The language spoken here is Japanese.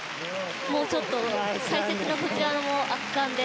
もう、ちょっと解説のこちらも圧巻で。